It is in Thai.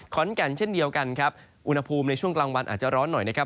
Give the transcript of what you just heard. ขอนแก่นเช่นเดียวกันครับอุณหภูมิในช่วงกลางวันอาจจะร้อนหน่อยนะครับ